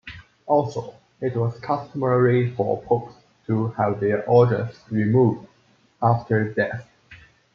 Also, it was customary for popes to have their organs removed after death.